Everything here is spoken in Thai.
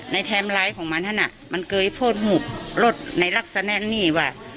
ในแถมไรของมันอะมันเกย์โพธิหุบลดในลักษณะนี้ว่า